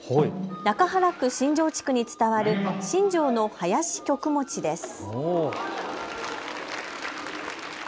中原区新城地区に伝わる新城の囃子曲持です。